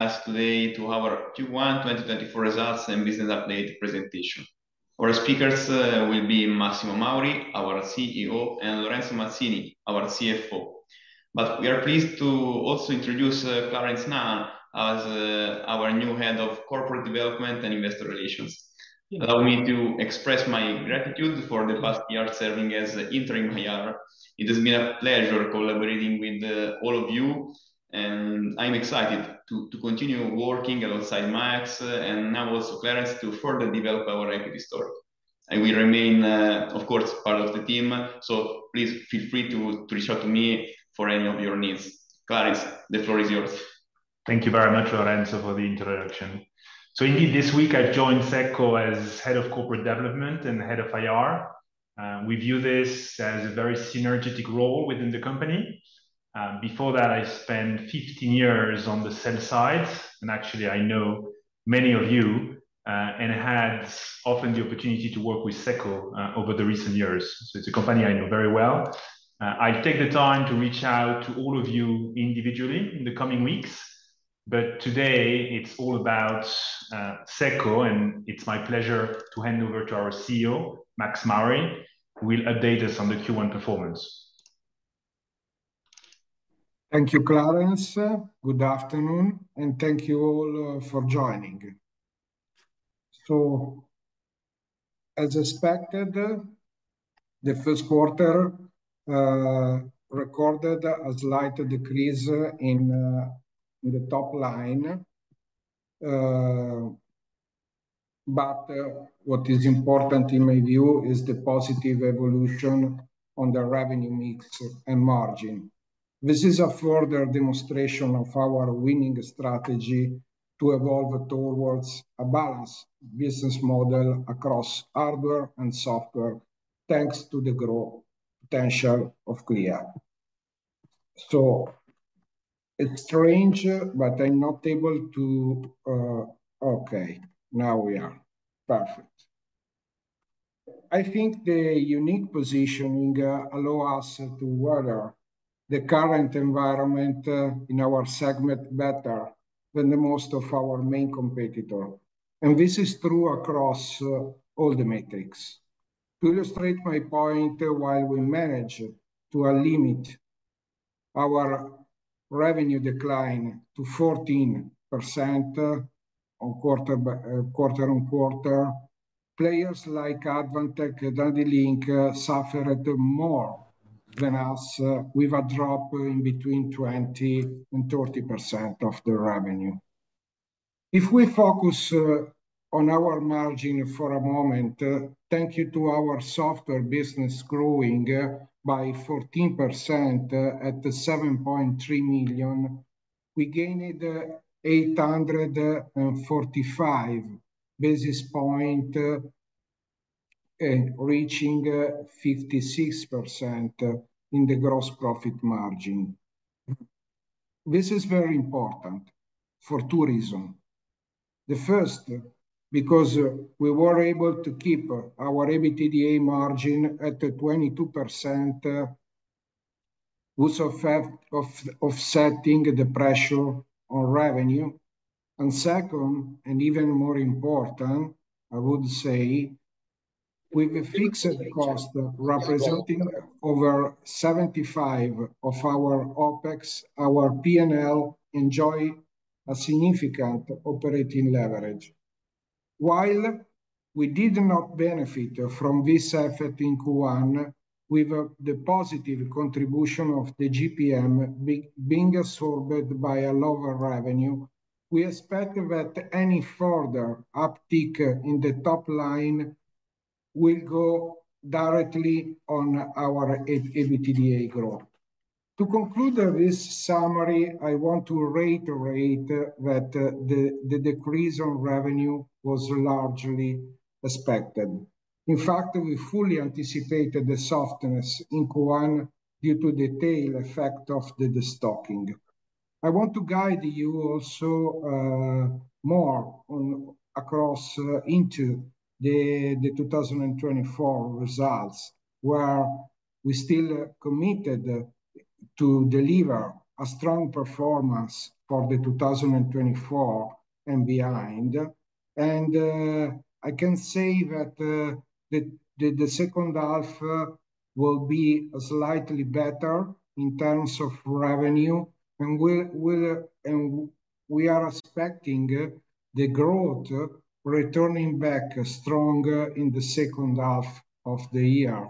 Glad today to have our Q1 2024 Results and Business Update Presentation. Our speakers will be Massimo Mauri, our CEO, and Lorenzo Mazzini, our CFO. But we are pleased to also introduce Clarence Nahan as our new head of corporate development and investor relations. Allow me to express my gratitude for the past year serving as interim IR. It has been a pleasure collaborating with all of you, and I'm excited to continue working alongside Max and now also Clarence to further develop our equity story. We remain, of course, part of the team, so please feel free to reach out to me for any of your needs. Clarence, the floor is yours. Thank you very much, Lorenzo, for the introduction. So indeed, this week I joined SECO as head of corporate development and head of IR. We view this as a very synergetic role within the company. Before that, I spent 15 years on the sell side, and actually, I know many of you and had often the opportunity to work with SECO over the recent years. So it's a company I know very well. I'll take the time to reach out to all of you individually in the coming weeks. But today, it's all about SECO, and it's my pleasure to hand over to our CEO, Max Mauri, who will update us on the Q1 performance. Thank you, Clarence. Good afternoon, and thank you all for joining. So as expected, the first quarter recorded a slight decrease in the top line. But what is important in my view is the positive evolution on the revenue mix and margin. This is a further demonstration of our winning strategy to evolve towards a balanced business model across hardware and software, thanks to the growth potential of Clea. I think the unique positioning allows us to weather the current environment in our segment better than the most of our main competitor. And this is true across all the metrics. To illustrate my point, while we manage to limit our revenue decline to 14% quarter-on-quarter, players like Advantech, Adlink, suffered more than us with a drop of between 20%-30% of the revenue. If we focus on our margin for a moment, thank you to our software business growing by 14% at 7.3 million, we gained 845 basis points, reaching 56% in the gross profit margin. This is very important for two reasons. The first, because we were able to keep our EBITDA margin at 22%, which was offsetting the pressure on revenue. And second, and even more important, I would say, with a fixed cost representing over 75% of our OPEX, our P&L enjoyed a significant operating leverage. While we did not benefit from this effect in Q1 with the positive contribution of the GPM being absorbed by a lower revenue, we expect that any further uptick in the top line will go directly on our EBITDA growth. To conclude this summary, I want to reiterate that the decrease on revenue was largely expected. In fact, we fully anticipated the softness in Q1 due to the tail effect of the destocking. I want to guide you also more across into the 2024 results, where we still committed to deliver a strong performance for the 2024 and behind. And I can say that the second half will be slightly better in terms of revenue, and we are expecting the growth returning back stronger in the second half of the year.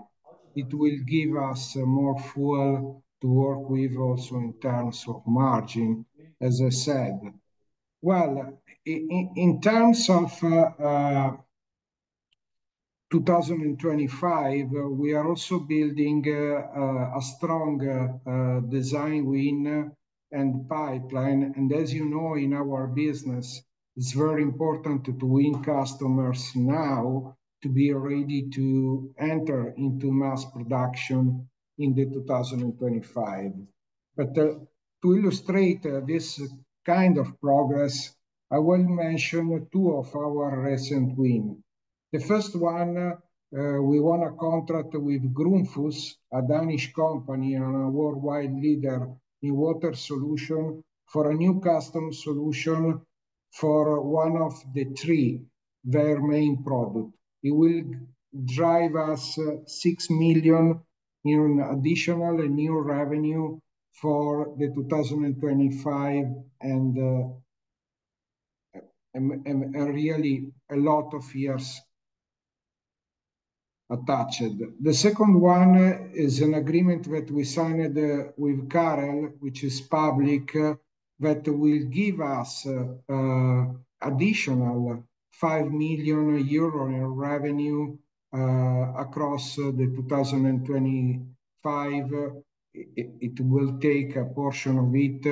It will give us more fuel to work with also in terms of margin, as I said. Well, in terms of 2025, we are also building a strong design win and pipeline. As you know, in our business, it's very important to win customers now to be ready to enter into mass production in the 2025. But to illustrate this kind of progress, I will mention two of our recent wins. The first one, we won a contract with Grundfos, a Danish company and a worldwide leader in water solutions, for a new custom solution for one of the three very main products. It will drive us 6 million in additional new revenue for the 2025 and really a lot of years attached. The second one is an agreement that we signed with CAREL, which is public, that will give us additional 5 million euro in revenue across the 2025. It will take a portion of it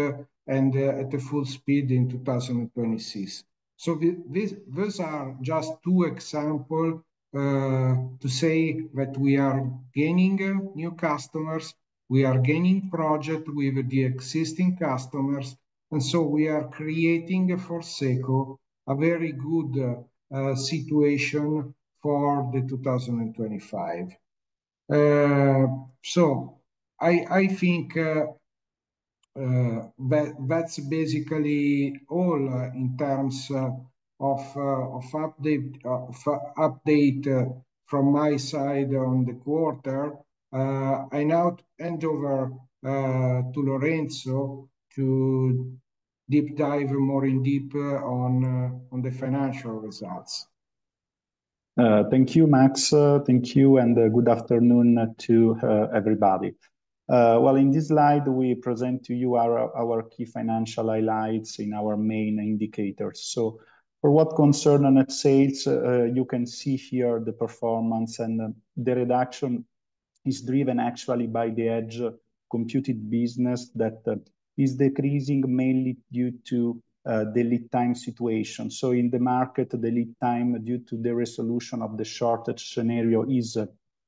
at full speed in 2026. So those are just two examples to say that we are gaining new customers. We are gaining projects with the existing customers. And so we are creating for SECO a very good situation for the 2025. So I think that's basically all in terms of update from my side on the quarter. I now hand over to Lorenzo to deep dive more in-depth on the financial results. Thank you, Max. Thank you, and good afternoon to everybody. Well, in this slide, we present to you our key financial highlights in our main indicators. So for what concerns net sales, you can see here the performance. And the reduction is driven actually by the edge computing business that is decreasing mainly due to the lead time situation. So in the market, the lead time due to the resolution of the shortage scenario is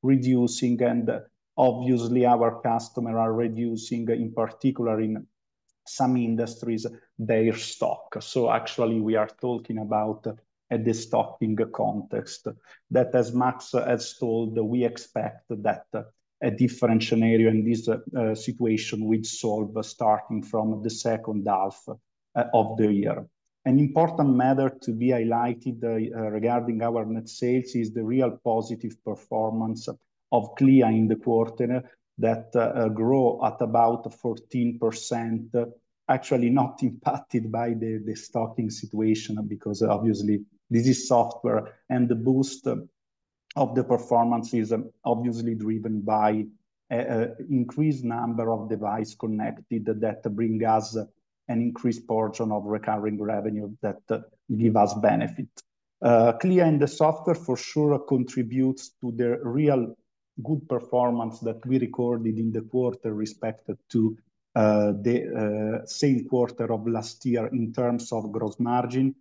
reducing. And obviously, our customers are reducing, in particular in some industries, their stock. So actually, we are talking about a destocking context. That, as Max has told, we expect that a different scenario and this situation would solve starting from the second half of the year. An important matter to be highlighted regarding our net sales is the real positive performance of Clea in the quarter that grew at about 14%, actually not impacted by the destocking situation because obviously, this is software. The boost of the performance is obviously driven by an increased number of devices connected that bring us an increased portion of recurring revenue that gives us benefit. Clea in the software, for sure, contributes to the real good performance that we recorded in the quarter respect to the same quarter of last year in terms of gross margin.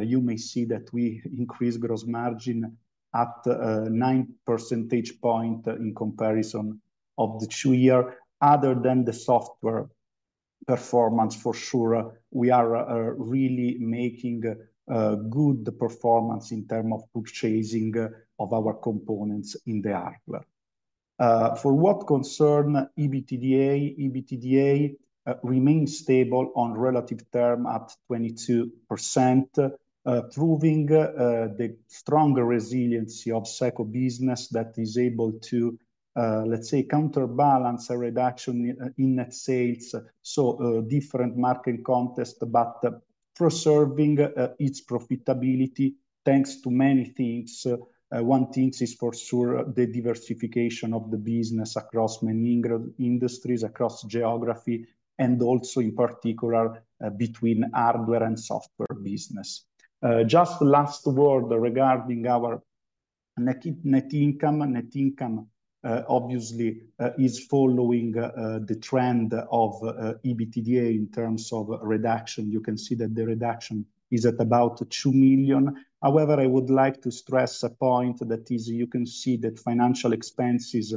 You may see that we increased gross margin at a 9 percentage point in comparison of the two years. Other than the software performance, for sure, we are really making good performance in terms of purchasing of our components in the hardware. For what concerns EBITDA, EBITDA remains stable on relative terms at 22%, proving the stronger resiliency of SECO business that is able to, let's say, counterbalance a reduction in net sales. So different market context, but preserving its profitability thanks to many things. One thing is for sure the diversification of the business across many industries, across geography, and also in particular between hardware and software business. Just last word regarding our net income. Net income, obviously, is following the trend of EBITDA in terms of reduction. You can see that the reduction is at about 2 million. However, I would like to stress a point that is you can see that financial expenses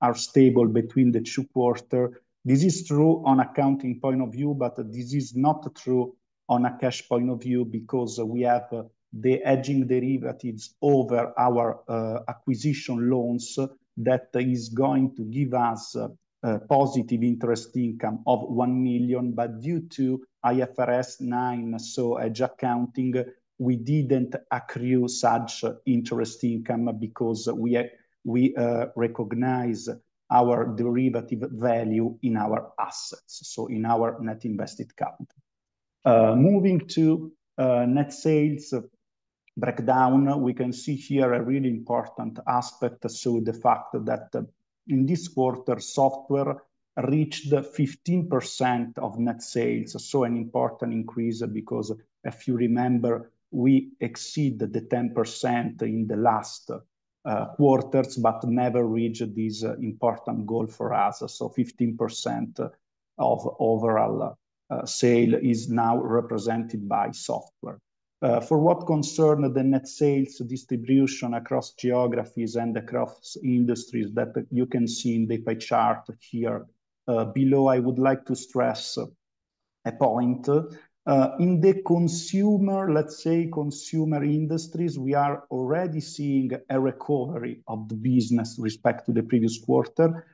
are stable between the two quarters. This is true on an accounting point of view, but this is not true on a cash point of view because we have the hedging derivatives over our acquisition loans that is going to give us positive interest income of 1 million. But due to IFRS 9, so hedge accounting, we didn't accrue such interest income because we recognize our derivative value in our assets, so in our net invested capital. Moving to net sales breakdown, we can see here a really important aspect. So the fact that in this quarter, software reached 15% of net sales. So an important increase because if you remember, we exceeded the 10% in the last quarters, but never reached this important goal for us. So 15% of overall sales is now represented by software. For what concerns the net sales distribution across geographies and across industries that you can see in the pie chart here below, I would like to stress a point. In the consumer, let's say, consumer industries, we are already seeing a recovery of the business respect to the previous quarter.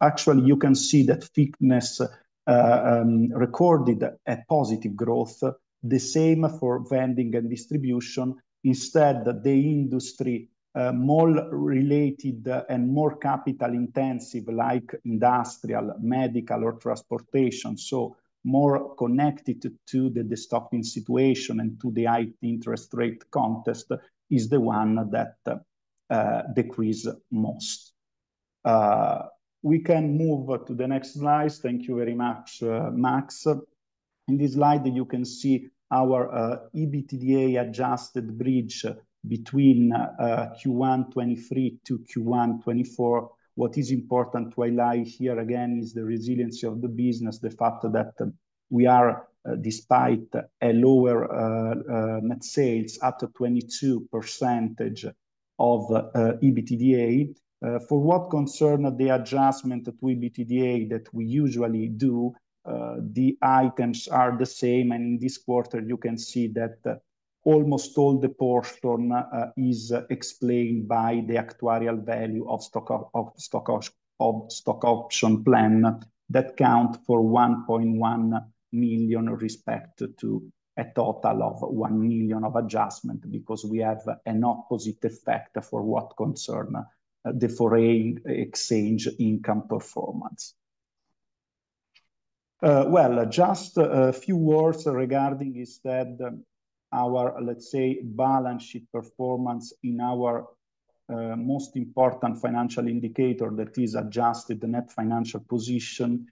Actually, you can see that Fitness recorded a positive growth, the same for vending and distribution. Instead, the industry more related and more capital intensive, like industrial, medical, or transportation, so more connected to the destocking situation and to the high interest rate context, is the one that decreased most. We can move to the next slide. Thank you very much, Max. In this slide, you can see our EBITDA adjusted bridge between Q1 2023-Q1 2024. What is important to highlight here again is the resiliency of the business, the fact that we are, despite a lower net sales at a 22% of EBITDA. For what concerns the adjustment to EBITDA that we usually do, the items are the same. In this quarter, you can see that almost all the portion is explained by the actuarial value of stock option plan that count for 1.1 million respect to a total of 1 million of adjustment because we have an opposite effect for what concerns the foreign exchange income performance. Well, just a few words regarding instead our, let's say, balance sheet performance in our most important financial indicator that is adjusted net financial position.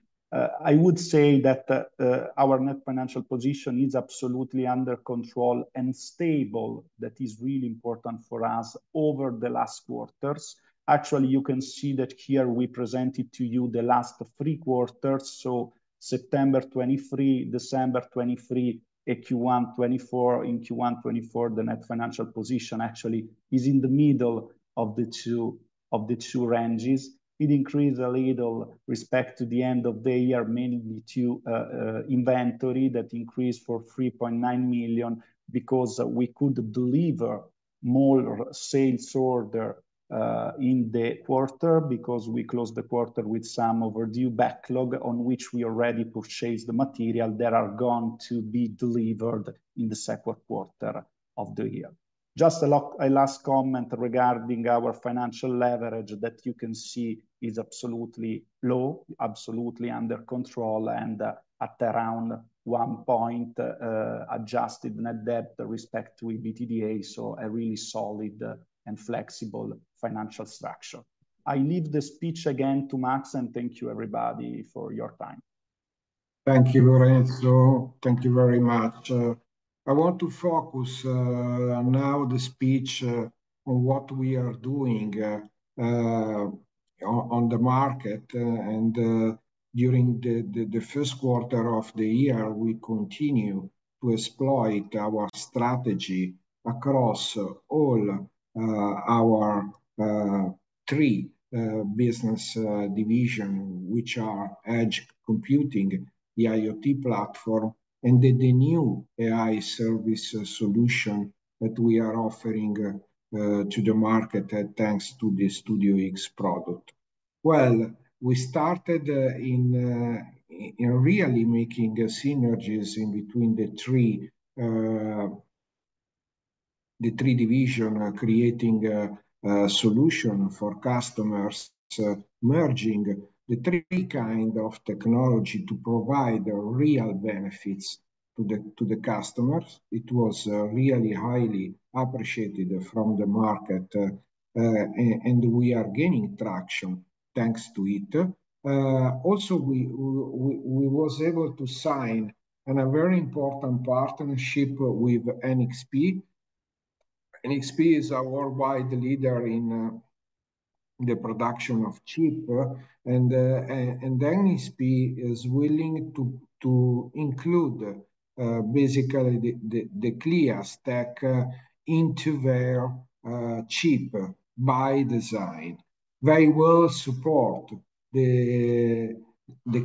I would say that our net financial position is absolutely under control and stable. That is really important for us over the last quarters. Actually, you can see that here we presented to you the last three quarters. So September 2023, December 2023, Q1 2024. In Q1 2024, the net financial position actually is in the middle of the two ranges. It increased a little respect to the end of the year, mainly due to inventory that increased for 3.9 million because we could deliver more sales orders in the quarter because we closed the quarter with some overdue backlog on which we already purchased the material that are going to be delivered in the second quarter of the year. Just a last comment regarding our financial leverage that you can see is absolutely low, absolutely under control, and at around 1.0, adjusted net debt respect to EBITDA. So a really solid and flexible financial structure. I leave the speech again to Max, and thank you everybody for your time. Thank you, Lorenzo. Thank you very much. I want to focus now the speech on what we are doing on the market. During the first quarter of the year, we continue to exploit our strategy across all our three business divisions, which are edge computing, the IoT platform, and the new AI service solution that we are offering to the market thanks to the StudioX product. Well, we started in really making synergies in between the three divisions, creating a solution for customers, merging the three kinds of technology to provide real benefits to the customers. It was really highly appreciated from the market. We are gaining traction thanks to it. Also, we were able to sign a very important partnership with NXP. NXP is our worldwide leader in the production of chips. NXP is willing to include basically the Clea stack into their chip by design, very well support the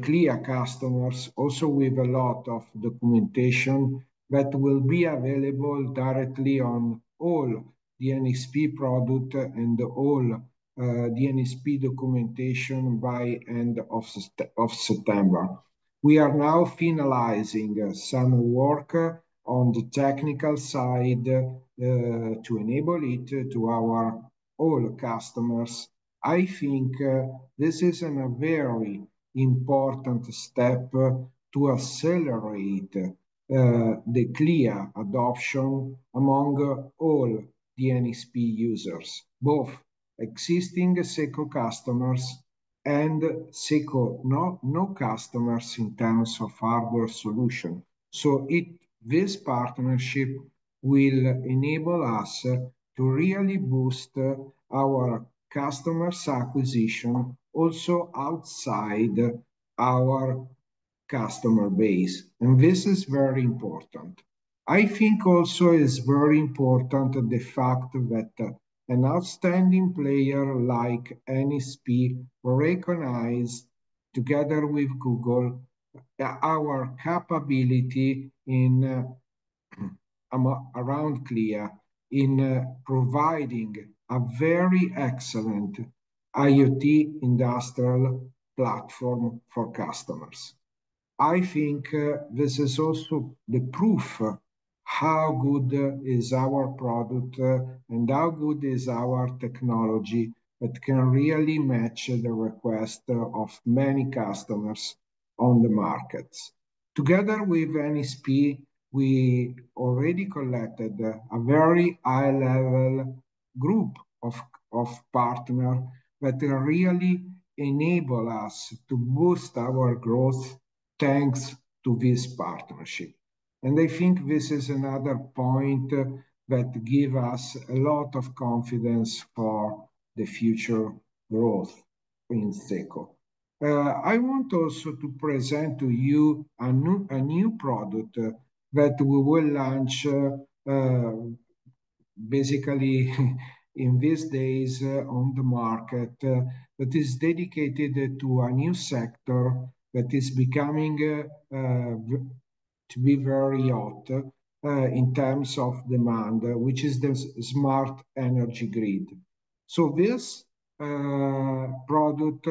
Clea customers, also with a lot of documentation that will be available directly on all the NXP products and all the NXP documentation by the end of September. We are now finalizing some work on the technical side to enable it to our old customers. I think this is a very important step to accelerate the Clea adoption among all the NXP users, both existing SECO customers and SECO non-customers in terms of hardware solution. So this partnership will enable us to really boost our customer acquisition also outside our customer base. And this is very important. I think also it's very important the fact that an outstanding player like NXP recognized, together with Google, our capability around Clea in providing a very excellent IoT industrial platform for customers. I think this is also the proof of how good our product is and how good our technology is that can really match the requests of many customers on the markets. Together with NXP, we already collected a very high-level group of partners that really enable us to boost our growth thanks to this partnership. I think this is another point that gives us a lot of confidence for the future growth in SECO. I want also to present to you a new product that we will launch basically in these days on the market that is dedicated to a new sector that is becoming to be very hot in terms of demand, which is the smart energy grid. This product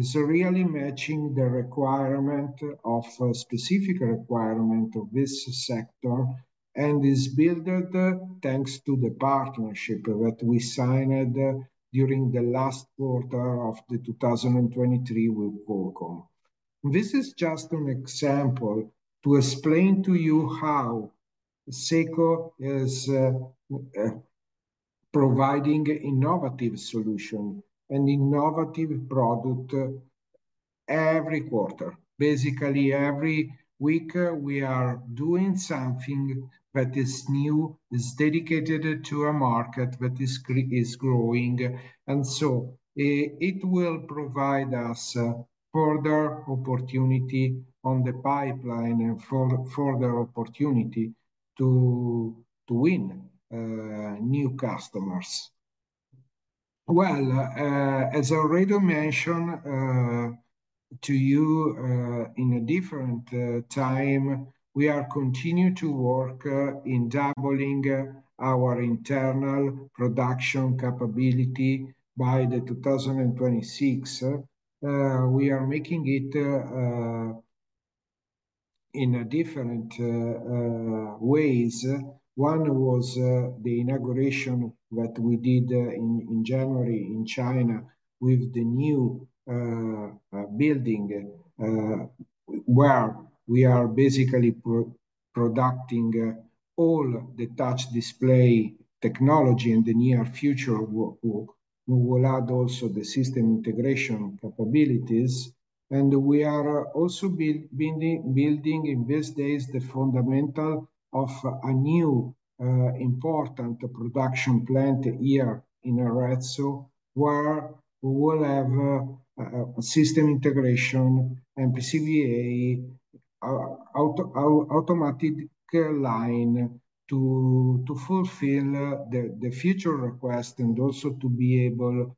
is really matching the specific requirements of this sector and is built thanks to the partnership that we signed during the last quarter of 2023 with Qualcomm. This is just an example to explain to you how SECO is providing innovative solutions and innovative products every quarter. Basically, every week, we are doing something that is new, is dedicated to a market that is growing. And so it will provide us further opportunity on the pipeline and further opportunity to win new customers. Well, as I already mentioned to you in a different time, we are continuing to work on doubling our internal production capability by 2026. We are making it in different ways. One was the inauguration that we did in January in China with the new building where we are basically producing all the touch display technology in the near future. We will add also the system integration capabilities. And we are also building in these days the fundamentals of a new important production plant here in Arezzo where we will have system integration and PCBA automatic line to fulfill the future request and also to be able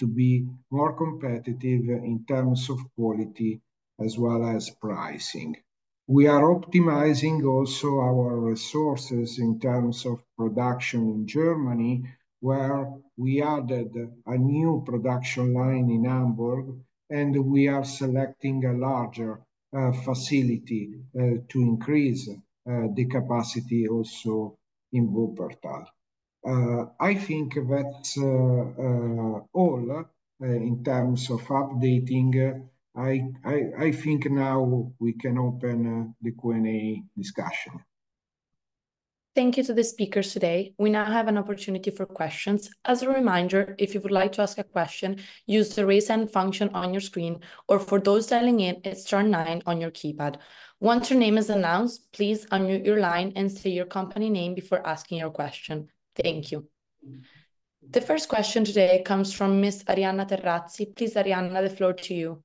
to be more competitive in terms of quality as well as pricing. We are optimizing also our resources in terms of production in Germany where we added a new production line in Hamburg, and we are selecting a larger facility to increase the capacity also in Wuppertal. I think that's all in terms of updating. I think now we can open the Q&A discussion. Thank you to the speakers today. We now have an opportunity for questions. As a reminder, if you would like to ask a question, use the raise hand function on your screen, or for those dialing in, it's turn nine on your keypad. Once your name is announced, please unmute your line and say your company name before asking your question. Thank you. The first question today comes from Miss Arianna Terrazzi. Please, Arianna, the floor to you.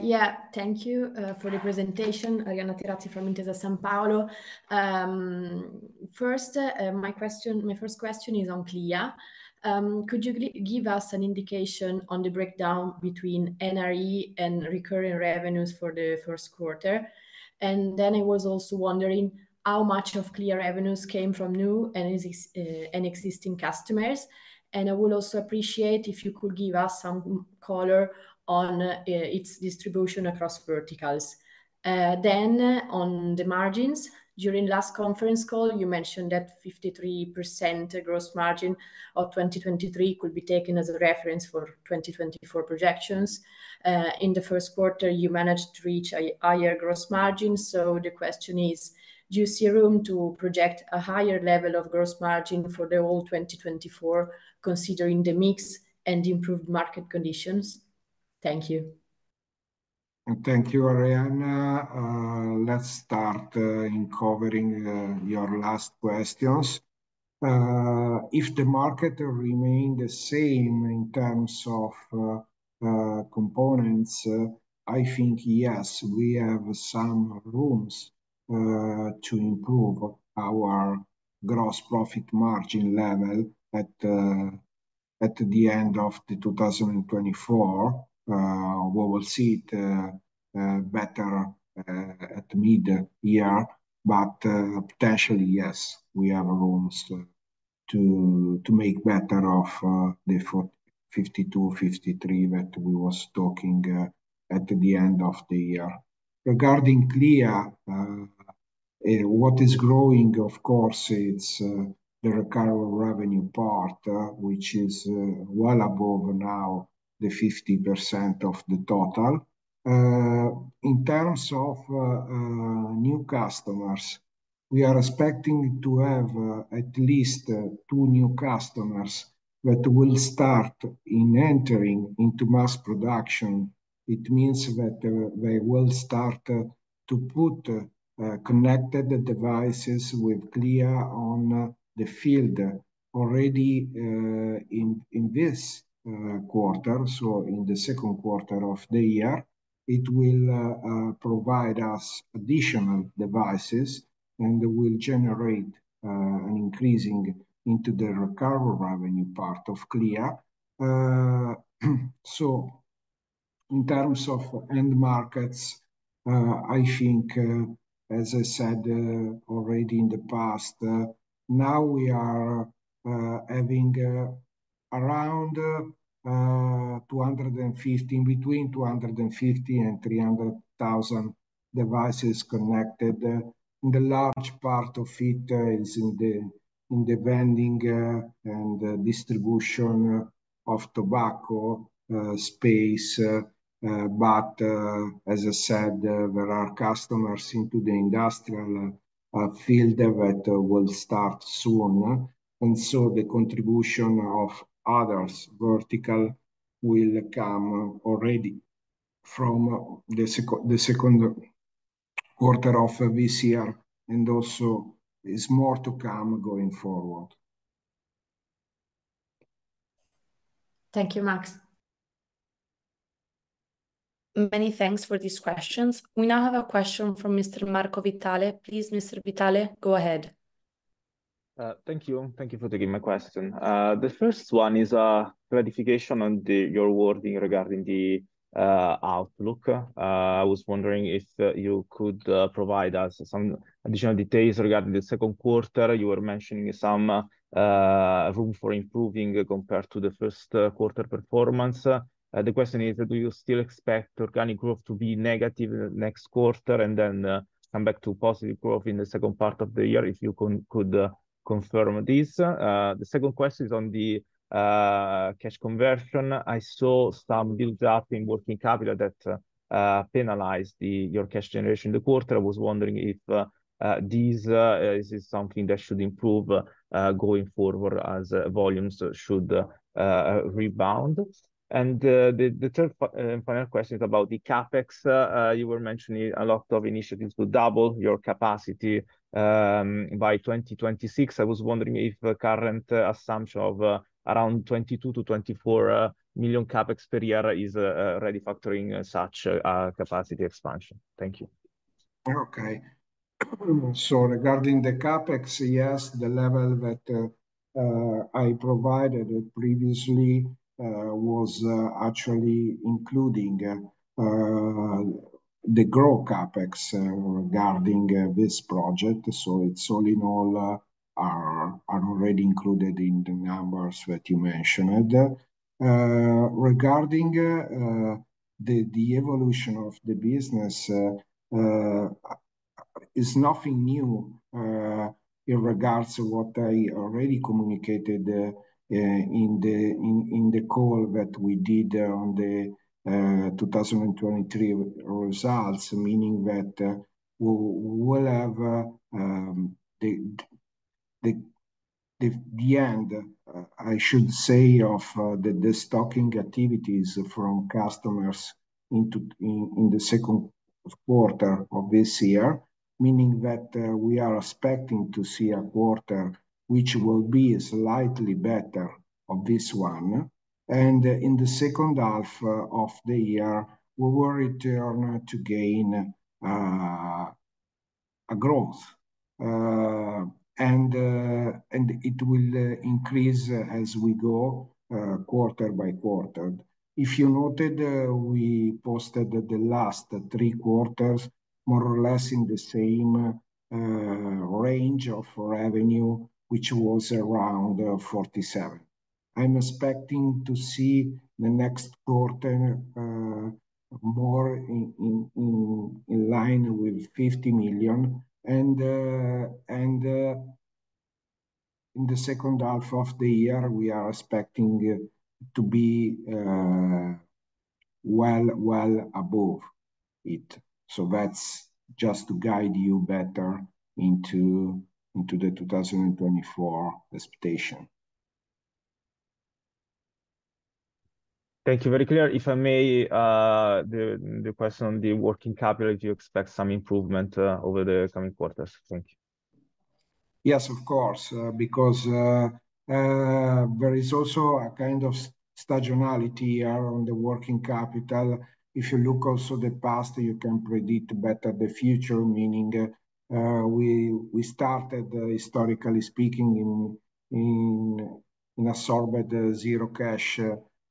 Yeah, thank you for the presentation, Arianna Terrazzi from Intesa Sanpaolo. First, my first question is on Clea. Could you give us an indication on the breakdown between NRE and recurring revenues for the first quarter? And then I was also wondering how much of Clea revenues came from new and existing customers. And I would also appreciate if you could give us some color on its distribution across verticals. Then on the margins, during the last conference call, you mentioned that 53% gross margin of 2023 could be taken as a reference for 2024 projections. In the first quarter, you managed to reach a higher gross margin. So the question is, do you see room to project a higher level of gross margin for the whole 2024 considering the mix and improved market conditions? Thank you. Thank you, Arianna. Let's start covering your last questions. If the market remains the same in terms of components, I think yes, we have some room to improve our gross profit margin level at the end of 2024. We will see it better at mid-year. But potentially, yes, we have room to make better of the 52%-53% that we were talking about at the end of the year. Regarding Clea, what is growing, of course, it's the recurring revenue part, which is well above now the 50% of the total. In terms of new customers, we are expecting to have at least two new customers that will start entering into mass production. It means that they will start to put connected devices with Clea on the field already in this quarter. So in the second quarter of the year, it will provide us additional devices and will generate an increase into the recurring revenue part of Clea. So in terms of end markets, I think, as I said already in the past, now we are having around 250,000, between 250,000 and 300,000 devices connected. The large part of it is in the vending and distribution of tobacco space. But as I said, there are customers into the industrial field that will start soon. And so the contribution of other verticals will come already from the second quarter of this year, and also is more to come going forward. Thank you, Max. Many thanks for these questions. We now have a question from Mr. Marco Vitale. Please, Mr. Vitale, go ahead. Thank you. Thank you for taking my question. The first one is a clarification on your wording regarding the outlook. I was wondering if you could provide us some additional details regarding the second quarter. You were mentioning some room for improving compared to the first quarter performance. The question is, do you still expect organic growth to be negative in the next quarter and then come back to positive growth in the second part of the year if you could confirm this? The second question is on the cash conversion. I saw some buildup in working capital that penalized your cash generation in the quarter. I was wondering if this is something that should improve going forward as volumes should rebound. The third and final question is about the CapEx. You were mentioning a lot of initiatives to double your capacity by 2026. I was wondering if the current assumption of around 22-24 million CapEx per year is already factoring in such capacity expansion. Thank you. Okay. So regarding the CapEx, yes, the level that I provided previously was actually including the growth CapEx regarding this project. So it's all in all already included in the numbers that you mentioned. Regarding the evolution of the business, it's nothing new in regards to what I already communicated in the call that we did on the 2023 results, meaning that we will have the end, I should say, of the destocking activities from customers in the second quarter of this year, meaning that we are expecting to see a quarter which will be slightly better than this one. And in the second half of the year, we will return to growth. And it will increase as we go quarter by quarter. If you noted, we posted the last three quarters more or less in the same range of revenue, which was around 47 million. I'm expecting to see the next quarter more in line with 50 million. And in the second half of the year, we are expecting to be well above it. So that's just to guide you better into the 2024 expectation. Thank you. Very clear. If I may, the question on the working capital, if you expect some improvement over the coming quarters? Thank you. Yes, of course, because there is also a kind of seasonality here on the working capital. If you look also at the past, you can predict better the future, meaning we started, historically speaking, in absorbing zero cash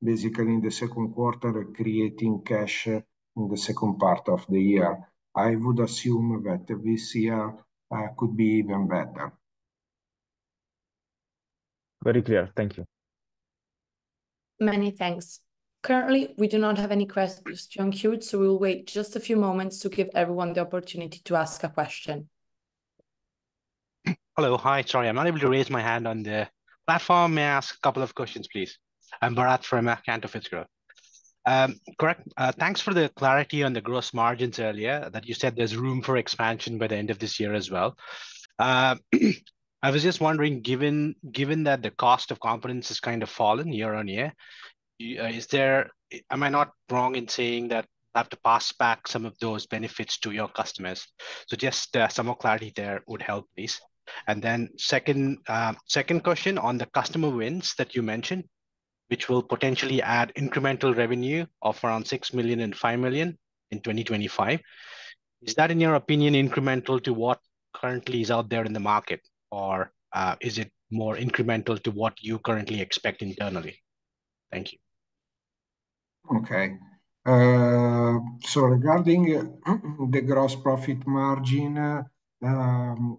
basically in the second quarter and creating cash in the second part of the year. I would assume that this year could be even better. Very clear. Thank you. Many thanks. Currently, we do not have any questions in queue, so we'll wait just a few moments to give everyone the opportunity to ask a question. Hello. Hi, sorry, I'm unable to raise my hand on the platform. May I ask a couple of questions, please? I'm Bharath from Cantor Fitzgerald. Thanks for the clarity on the gross margins earlier that you said there's room for expansion by the end of this year as well. I was just wondering, given that the cost of components has kind of fallen year-over-year, am I not wrong in saying that we have to pass back some of those benefits to your customers? So just some more clarity there would help, please. And then second question on the customer wins that you mentioned, which will potentially add incremental revenue of around 6 million and 5 million in 2025. Is that, in your opinion, incremental to what currently is out there in the market, or is it more incremental to what you currently expect internally? Thank you. Okay. So regarding the gross profit margin,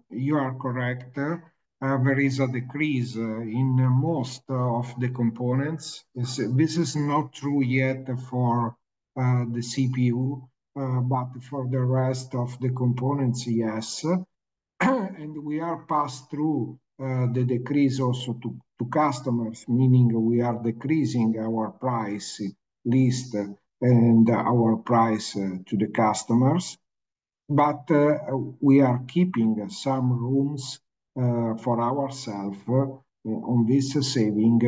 you are correct. There is a decrease in most of the components. This is not true yet for the CPU, but for the rest of the components, yes. And we are passing through the decrease also to customers, meaning we are decreasing our price list and our price to the customers. But we are keeping some rooms for ourselves on this saving,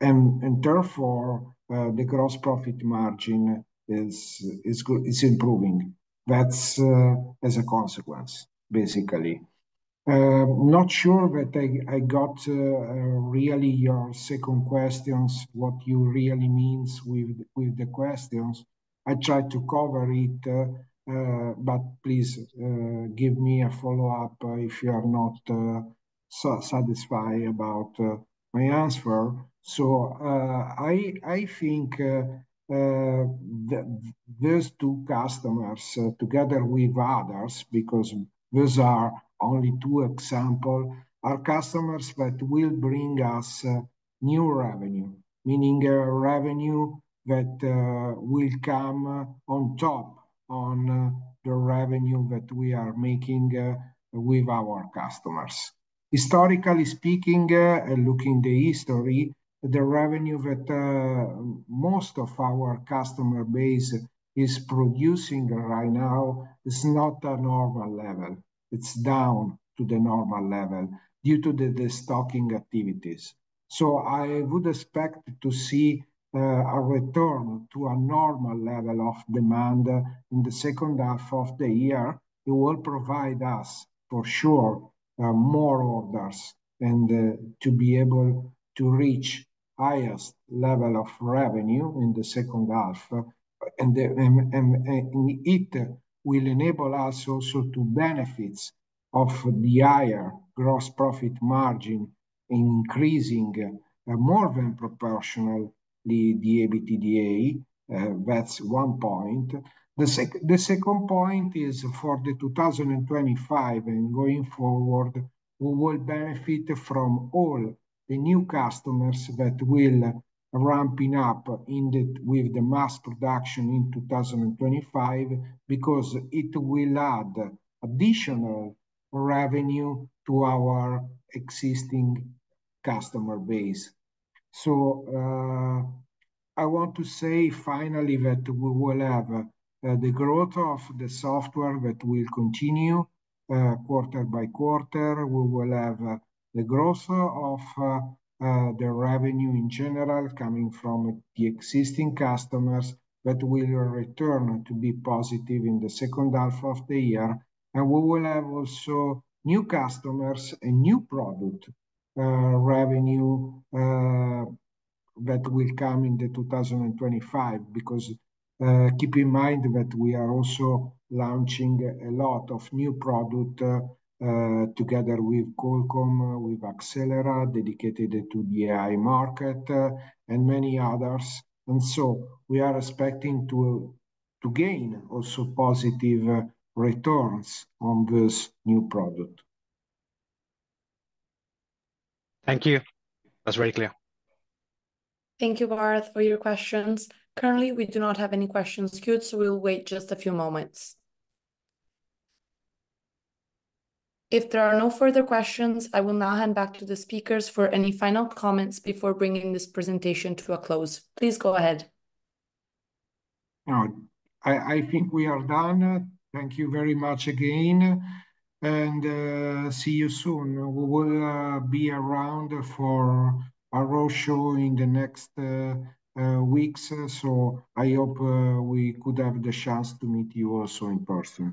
and therefore, the gross profit margin is improving. That's as a consequence, basically. Not sure that I got really your second questions, what you really mean with the questions. I tried to cover it, but please give me a follow-up if you are not satisfied about my answer. So I think those two customers, together with others, because those are only two examples, are customers that will bring us new revenue, meaning revenue that will come on top of the revenue that we are making with our customers. Historically speaking, looking at the history, the revenue that most of our customer base is producing right now is not at a normal level. It's down to the normal level due to the destocking activities. So I would expect to see a return to a normal level of demand in the second half of the year. It will provide us, for sure, more orders and to be able to reach the highest level of revenue in the second half. And it will enable us also to benefit from the higher gross profit margin in increasing more than proportionally the EBITDA. That's one point. The second point is for 2025 and going forward, we will benefit from all the new customers that will ramp up with the mass production in 2025 because it will add additional revenue to our existing customer base. So I want to say finally that we will have the growth of the software that will continue quarter by quarter. We will have the growth of the revenue in general coming from the existing customers that will return to be positive in the second half of the year. And we will have also new customers and new product revenue that will come in 2025 because keep in mind that we are also launching a lot of new products together with Qualcomm, with Axelera, dedicated to the AI market, and many others. And so we are expecting to gain also positive returns on those new products. Thank you. That's very clear. Thank you, Bharath, for your questions. Currently, we do not have any questions, in queue, so we'll wait just a few moments. If there are no further questions, I will now hand back to the speakers for any final comments before bringing this presentation to a close. Please go ahead. I think we are done. Thank you very much again. See you soon. We will be around for a roadshow in the next weeks, so I hope we could have the chance to meet you also in person.